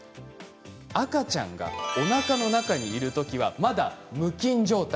赤ちゃんがおなかの中にいる時はまだ無菌状態。